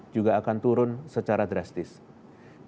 juga akan turun dalam satu dua minggu ke depan